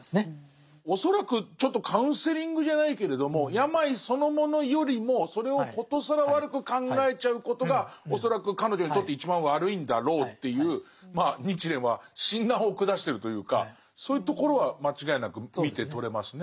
恐らくちょっとカウンセリングじゃないけれども病そのものよりもそれを殊更悪く考えちゃうことが恐らく彼女にとって一番悪いんだろうというまあ日蓮は診断を下してるというかそういうところは間違いなく見て取れますね。